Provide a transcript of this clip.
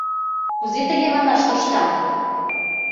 Кузе тыге манаш тоштам?